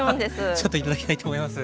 ちょっと頂きたいと思います。